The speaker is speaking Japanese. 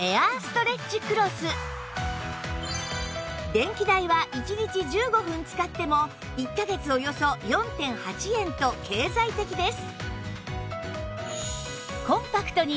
電気代は１日１５分使っても１カ月およそ ４．８ 円と経済的です